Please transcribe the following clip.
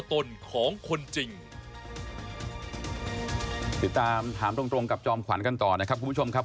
ติดตามถามตรงตรงกับจอมขวัญกันต่อนะครับคุณผู้ชมครับ